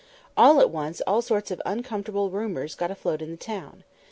All at once all sorts of uncomfortable rumours got afloat in the town.